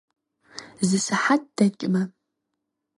Зы сыхьэт дэкӏмэ.